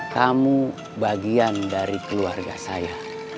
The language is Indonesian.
kamu bagian dari keluarga saya